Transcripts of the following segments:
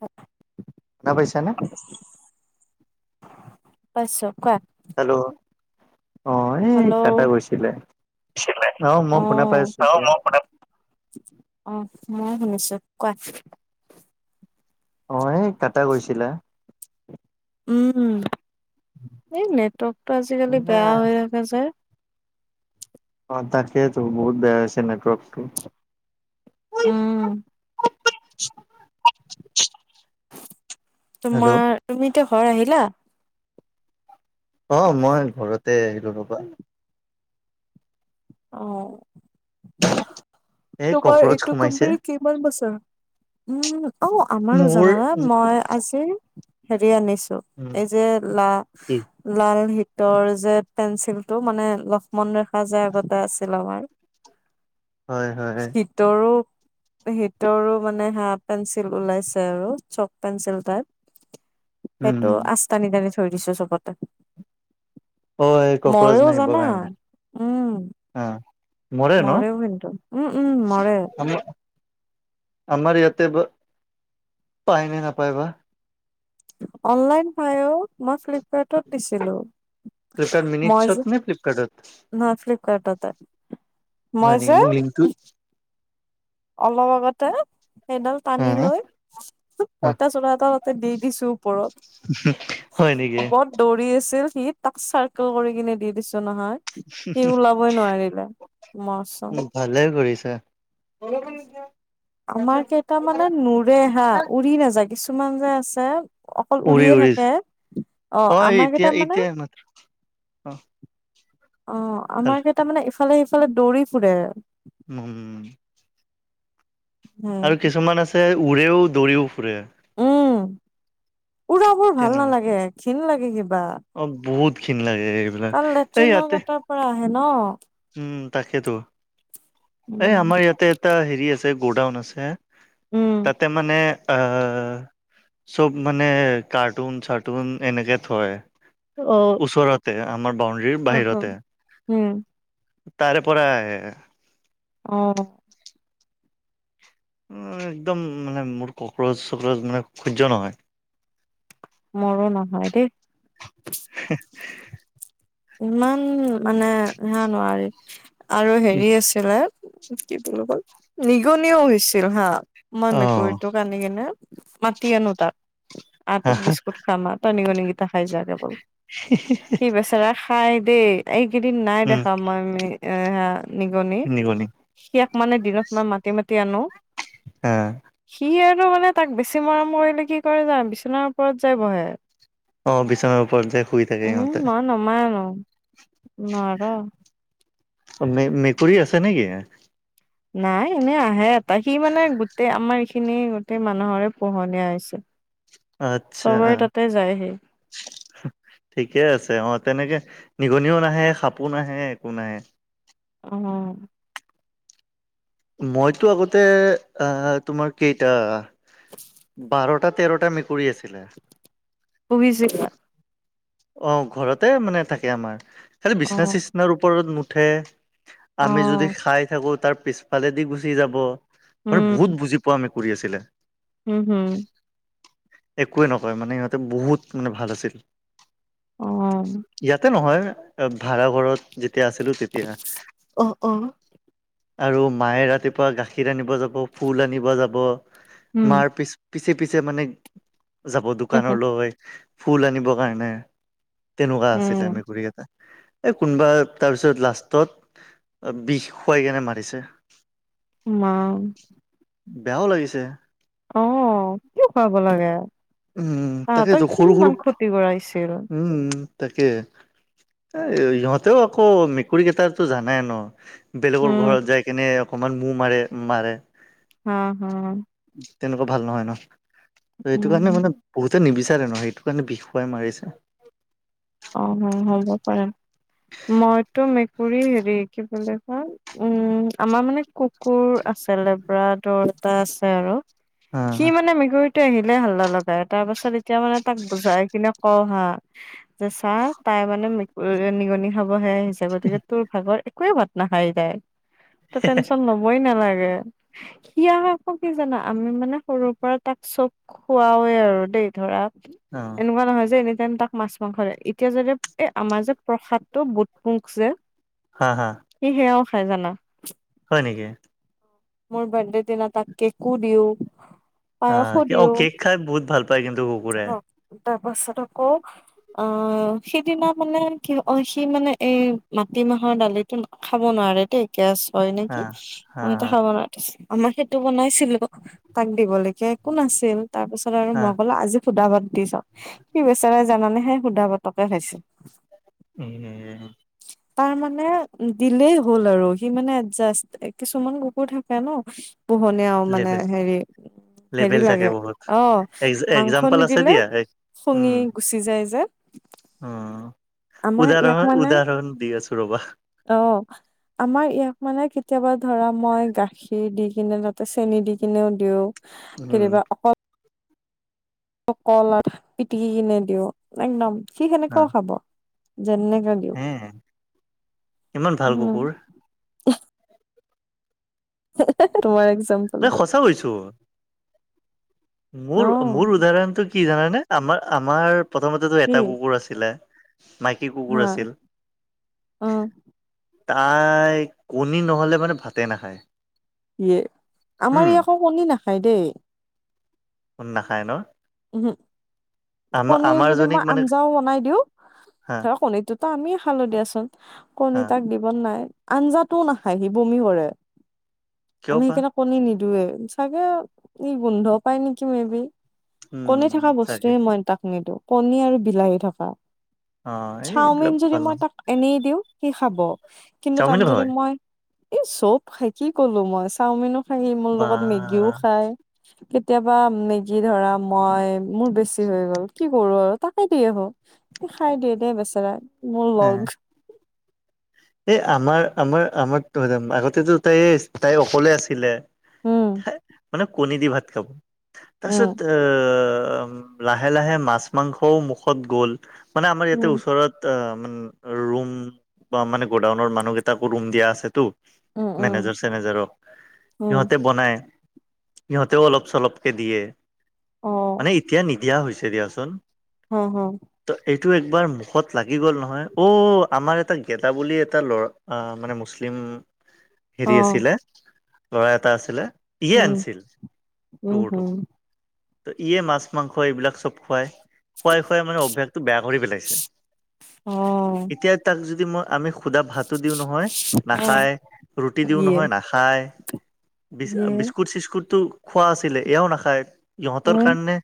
স শুনা পাইছা নে? পাইছোঁ কোৱা। হেল্ল। অ [inaudible] এই হেল্ল, কাটা গৈছিলে অ মই শুনা পাই অঁ, আছো অঁ এতিয়া মই কথা- অঁ, মই শুনিছো কোৱা। অঁ, এই কাটা গৈছিলে। উম, এই নেটৱৰ্কটো আজিকালি না বেয়া হৈ আছে যে। অঁ, তাকে তো বহুত বেয়া হৈছে নেটৱৰ্কটো। উম। তোমাৰ হেল্ল' তুমি এতিয়া ঘৰ আহিলা। অঁ মই ঘৰতে আহিলো ৰবা। অঁ, এই তোমাৰ কক্ৰচ এইটো সোমাইছে কোম্পানীত কিমান বছৰ? উম অঔ আমাৰো মোৰ জানানে, উম মই আজি- হেৰি আনিছো, উম এই যে কি লা- লাল হীতৰ যে পেঞ্চিল টো মানে লক্ষ্মণ ৰেখা যে আগতে আছিল আমাৰ। হয় হয়। তৰো হিতৰো মানে হাঁ পেঞ্চিল ওলাইছে আৰু চক পেঞ্চিল টাইপ। সেইটো উম আস্তা নিদিয়াকে থৈ দিছো চবতে। অ এই কক্ৰচ মইও জানা, উম। আঁ মৰে ন। মৰেও কিন্তু উম উম মৰে আমাৰ ইয়াতে ব পাই নে নাপাই বা। অনলাইন পায় অও, মই ফ্লিপকাৰ্টত দিছিলোঁ। ফ্লিপকাৰ্ট মই মিনিটছত যে, নে ফ্লিপকাৰ্টত ন ফ্লিপকাৰ্ট তাট। হয় নেকি মোৰ লিংতোট। অলপ আগতে। সেডাল টানি লৈ পঁইতা চোৰা এতাৰ বাবে দি দিছো ওপৰত। হয় নেকি। বত দৌৰি আছিল সি তাক চাৰ্কেল কৰি কিনে দি দিছো নহয়। সি ওলাবই নোৱাৰিলে, মৰচম। ভালে কৰিছা। আমাৰ কেইটা মানে নুৰে হা, উৰি নাযায় কিছুমান যে আছে। অকল উৰিয়ে উৰি থাকে, অঁ আমাৰ কেইটা মানে- মাত অ' ভাল আমাৰকেইটা মানে ইফালে-সিফালে দৌৰি ফুৰে। ম- উম। উম আৰু কিছুমান আছে উৰেও, দৌৰিও ফুৰে। উম, উৰাবোৰ ভাল তেনেকুৱা নালাগে, ঘিণ লাগে কিবা। অ' বহুত ঘিণ লাগে এইবিলাক। কাৰণ এই লেট্ৰিনৰ ইয়াতে গাঁতৰ পৰা আহে ন'। উম, তাকেতো। এই উম আমাৰ ইয়াতে এটা হেৰি আছে গ'ডাউন আছে। উম তাতে মানে আ- চব মানে কাৰ্টুন-চাৰ্টুন এনেকে থয়। অ ওচৰতে, আমাৰ বাউণ্ডৰীৰ হ হ বাহিৰতে। উম তাৰে পৰাই আহে। অ'। অ' একদম মানে মোৰ কক্ৰচ-চক্ৰচ মানে সহ্য নহয়। মোৰো নহয় দেই। হেঁহ। ইমান মানে হেয়া নোৱাৰি, আৰু হেৰি আছিলে কি বুলি কয়, নিগনিও হৈছিল হাঁ। মই মেকুৰীটোক আনি কিনে মাতি আনো তাত। আ অ তোক বিস্কুট খাম আ। তই নিগনি কেইটা খাই যায় অকল। সি বেচেৰা খায় দেই। এইকেইদিন নাই উম, দেখা মই- মে- এ সেয়া নিগনি। নিগনি সিয়াক মানে দিনত মই মাতি - মাতি আনো। অ'। সি আৰু মানে তাক বেছি মৰম কৰিলে, কি কৰে জানা? বিচনাৰ ওপৰত যাই বহে। অ' বিচনাৰ ওপৰত যাই শুই থাকে উম সিহঁতে। [unintelligible] অ' মে- মেকুৰী আছে নেকি? নাই। এনে আহে এটা। সি মানে গোটেই আমাৰ এইখিনি গোটেই মানুহৰে পোহনীয়া হৈছে। আচ্ছা। চবৰে তাতে যায়হি ঠিকে আছে। অ' তেনেকে নিগনিও নাহে, সাপো নাহে, একো নাই। অ'। মইতো আগতে অ'- তোমাৰ কেইটা বাৰটা-তেৰটা মেকুৰী আছিলে। অভিযে কোৱা। অ' ঘৰতে মানে থাকে আমাৰ। খালি অ বিচনা-চিচনাৰ ওপৰত নুঠে। অ আমি যদি খাই থাকোঁ, তাৰ পিছফালেদি গুচি যাব। মান বহুত বুজি পোৱা মেকুৰী আছিলে। উম-হুম। একোৱেই নকৰে মানে, ইহঁতে বহুত মানে ভাল আছিল। অ'। ইয়াতে নহয়, ভাড়াঘৰত। যেতিয়া আছিলো, তেতিয়া। অ অ আৰু মায়ে ৰাতিপুৱা গাখীৰ আনিব যাব, ফুল আনিব যাব। উম মাৰ পি পিছে - পিছে মানে যাব, দোকানলৈ, ফুল আনিবৰ কাৰণে। তেনেকুৱা আছিলে উম মেকুৰী কেইটা। এ কোনোবা তাৰপিছত লাষ্টত বিষ খুৱাইকেনে মাৰিছে। মা বেয়াও লাগিছে। অ'। কিয় খুৱাব লাগে? উহু, তাহাঁতক তাকেইতো কি সৰু - ইমান সৰুত ক্ষতি কৰাইছিল? উম। তাকে এ ইহঁতেও আকৌ মেকুৰী কেইটাৰতো জানাই ন? বেলেগৰ উম, ঘৰত যাই কেনে অকমান মু মাৰে -মাৰে। হা- হা। তেনেকুৱা ভাল নহয় ন? এইটো কাৰণে উম, মানে বহুতে নিবিচাৰে ন' সেইটো কাৰণে বিষ খোৱাই মাৰিছে। অ, হয় হ'ব পাৰে মইতো মেক মেকুৰীৰ হেৰি কি বুলি কয় উম আমাৰ মানে কুকুৰ আছিলে। পুৰা দহটা আছে আৰু অ সি মানে মেকুৰী তে আহিলেই হাল্লা লগাই তাৰ পাছত এতিয়া মানে তাক বুজাই কিনে কওঁ হা যে চাহ তাই মানে মেকুৰী নিগনি খাবহে আহিছে গতিকে তোৰ ভাগৰ এক একোৱে ভাত নাখায় তাই তই টেনচন লবই নালাগে। সিয়াক আকৌ কি জানা আমি মানে সৰুৰ পৰা তাক চব খোৱাওৱেই আৰু দেই ধৰা অ এনেকুৱা নহয় যে এনি টাইম তাক মাছ মাংসৰে এতিয়া যদি এ আমাৰ যে প্ৰসাদ টো বুট মুক যে হা-হা। সি সেয়াও খাই জানা। হয় নেকি? মোৰ বাৰ্থডে দিনা তাক কেকো দিও আ, পায়সো অ, দিও কেক খাই বহুত ভাল পায় কিন্তু কুকুৰে। তাৰপাছত আকৌ অ, সিদিনা মানে কি অ, সি মানে এ মাটিমাহৰ দালিতো খাব নোৱাৰে দে গেছ হয় নেকি, হা হা মইতে হা খাব [unintelligible] আমাৰ সেইটো বনাইছিলোঁ। অ, তাক দিব লগিয়া একো নাছিল তাৰ পিছত আৰু হা মই কলো আজি সুধা ভাত দি চাও সি বেচৰাই জানানে হে সুধা ভাতকে খাইছে। উম- উম [unintelligible] তাৰ মানে দিলেই হ'ল আৰু সি মানে এডজাষ্ট এ কিছুমান কুকুৰ থাকে ন' পোহনীয়াওঁ মানে লেবেল হেৰি হেৰি লেবেল থাকে লাগে বহুত অ, এক্স মাংস এক্জাম্পল আছে নিদিলে দিয়া শুঙি গুচি যায় যে। উম, আমাৰ ইয়াক উদাৰহৰণ- মানে উদাৰহৰণ দি আছো ৰবা। অ', আমাৰ ইয়াক মানে কেতিয়াবা ধৰা মই গাখীৰ দি কিনে তাতে চেনি দি কিনেও দিও। উম কেতিয়াবা অকল কল আৰ পিটিকি কিনে দিও একদম সি অ সেনেকাও খাব যেনেকে দিওঁ হে ইমান ভাল উম কুকুৰ? [unintelligible] তোমাৰএকযাম যে সঁচা হৈছো। অ মোৰ -মোৰ উদাহৰণটো কি জানানে আমাৰ- আমাৰ প্ৰথমতেতো কি এটা কুকুৰ আছিলে মাইকী কুকুৰ হা আছিল। অ তাই কণী নহ'লে মানে ভাতে নাখায়। ইয়ে উম আমাৰ ই আকৌ কণী নাখায় দে। উম, নাখাই নহ? উ, হো কণী যদি জনীক মই মানে আঞ্জাও বনাই দিওঁ হা ধৰা কণীটোতো আমিয়ে খালোঁ দিয়াছোন হা কণী তাক দি বনাই আঞ্জাটোও নাখায় সি বমি কৰে কিয় আমি বা [unintelligible] কণী নিদুৱে চাগে ই গোন্ধ পায় নেকি মেবি উম কণী থাকা চাগে বস্তুয়ে মই তাক নিওঁ কণী আৰু বিলাহী থকা। অ এই চাওমিন এইবিলাক যদি ভাল ন মই তাক এনেই দিওঁ সি খাব কিন্তু তাত চাওমিনো যদি হয় মই এই চব খাই কি ক'লো মই চাওমিনো খাইহি মোৰ বা লগত মেগীও খাই। কেতিয়াবা মেগী ধৰা মই মোৰ বেছি হৈ গ'ল কি কৰো আৰু তাকে দি আহোঁ সি খাই দিয়ে দেই বেচেৰাই। মোৰ লগ এই আমাৰ- আমাৰ - আমৰ আগতেতো তায়ে আচিলে তাই অকলে আছিলে উম মানে কণী দি ভাত খাব উম তাৰছত এ লাহে -লাহে মাছ -মাংসও মুখত গ'ল মানে আমাৰ ইয়াতে উম ওচৰত ত, মান ৰুম বা মানে গডাউনৰ মানুহকেইটাকো ৰুম দিয়া আছেতো উম মেনেজৰ উম চেনেজাৰো উম সিহঁতে বনাই ইহতেও অলপ -চলপকে দিয়ে অ মানে এতিয়া নিদিয়া হৈছে দিয়াচোন। হ', হ', ত' এইটো একবাৰ মুখত লাগি গ'ল নহয় অ' আমাৰ এটা গেদা বুলি এটা লৰা মানে মুছলিম অ হেৰি আছিলে ল'ৰা এটা আছিলে ইয়ে উম আনিছিল উম হুম তোৰটোক? ত' ইয়ে মাছ, মাংস এইবিলাক চব খুৱায়। খুৱাই- খুৱাই মানে অভ্যাসটো বেয়া কৰি পেলাইছে অ এতিয়া তাক যদি মই আমি সুধা ভাতো দিওঁ নহয় অ নাখায়, ৰুটি দিওঁ ইয়ে নহয় নাখায়। ইয়ে -বিস্কুট- চিতকুতখোৱা আছিলে এয়াও নাখায় অহঁতৰ উম কাৰণে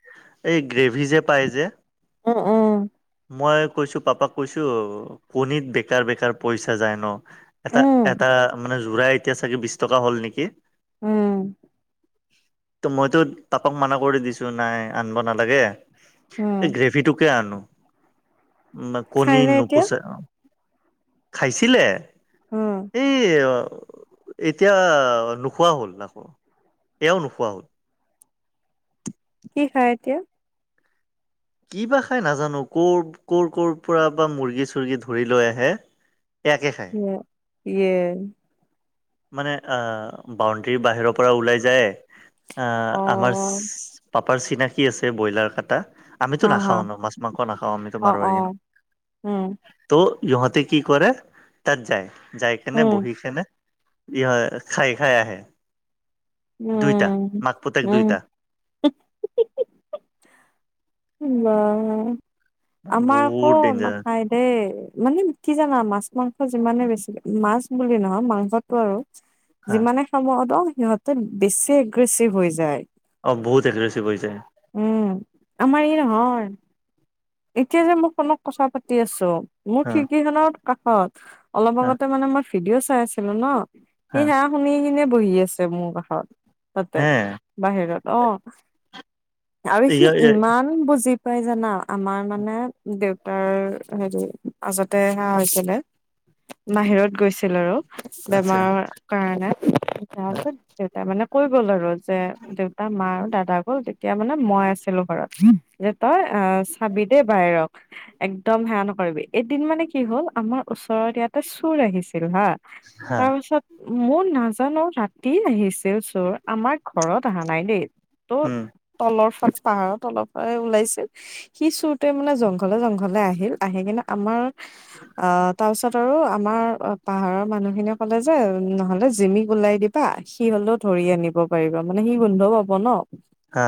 এই গ্ৰেভি যে পায় যে উম উম মই কৈছো পাপাক কৈছো কণীত বেকাৰ -বেকাৰ পইচা যায় ন? এটা উম, -এটা মানে যোৰাই এতিয়া চাগে বিছ টকা হ'ল নেকি। উম, ত, মইতো তাপক মানা কৰি দিছো নাই আনব নালাগে উম, এই গ্ৰেভিটোকে আনো বা কণী খাইনে এতিয়া? নুপুচা খাইছিলে? অহ', এই ইয়াএতিয়া নোখোৱা হল ব্যৱহাৰৱা নোখোৱা হ'ল নোহোৱা কি খাই এতিয়া? কিবা খাই নাজানো ক কৰ-কৰ ৰ পৰা বা মুৰ্গী -চৰ্গী ধৰি লৈ আহে এ নিশ্চয় ইয়ে--ইয়ে মানে অ, বাউণ্ডৰীৰ বাহিৰৰ পৰা ওলাই যায় এ আমাৰচ অ', পাপাৰ চিনাকি আছে বইলাৰ কাটা হা, আমিতো হা, নাখাও ন' মাছ, মাংস নাখাওঁ আমিতো অ', মাৰোৱাৰিয়ে ন'। অ', উম, ত'ইহঁতে কি কৰে তাত যায় -যায় কেনে উম, বহি কেনে ই হয় খাই -খাই আহে। দুইটা উম মাক পুতেক -উম। দুইটা [unintelligible] বাহ। আমাৰ আকৌ বহুত ডেঞ্জাৰ নাখায়। হে মানে কি জানা মাছ, মাংস যিমানে বেছি মাছ বুলি নহয় মাংসত ত, আৰু হা যিমানে খাব ধ‌ওক সিহঁতে বেছি এগ্ৰেছিভ হৈ যায়। অ, বহুত এগ্ৰেছিভ হৈ যায়। উম, আমাৰ ই নহয়। এতিয়া যে মই ফোনত কথা পাতি আছো মোৰ হা খিৰিকিখনৰ কাষত অলপ হা আগতে মানে মই ভিডিঅ' চাই আছিলো ন' এই হা শুনি কিনে বহি আছে মোৰ কাষত তাতে হে বাহিৰত অ। আৰু সি ইমান বুজি পাই জানা। আমাৰ মানে দেউতাৰ হেৰি আজতে সেয়া হৈছিলে বাহিৰত গৈছিল আৰু। আচ্ছা বেমাৰৰ কাৰণে দেউতাই যেন দেউতাই মানে কৈ গ'ল আৰু আজি যে দেউতা, মা আৰু দাদা গ'ল তেতিয়া মানে মই আছিলো ঘৰত যে তই আহ দে বাইৰক একদম সেয়া নকৰিবি এদিন মানে কি হ'ল আমাৰ ওচৰত ইয়াতে চুৰ আহিছিল হা হা তাৰপিছত মই নাজানো ৰাতি আহিছিল চোৰ আমাৰ ঘৰত আহা নাই দেই। ত' উম তলৰ [unintelligible] পাহাৰৰ তলৰ পৰা ওলাইছিল। সি চুৰটোৱে মানে জংঘলে -জংঘলে আহিল আহি কিনে আমাৰ অ, তাৰ পিছত আৰু আমাৰ অ, পাহাৰৰ মানুহখিনিয়ে কলে যে নহলে জিমিক ওলাই দি পা সি হলেও ধৰি আনিব পাৰিব মানে সি গোন্ধও পাব ন'? হা।